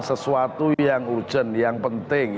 sesuatu yang urgent yang penting